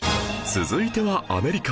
続いてはアメリカ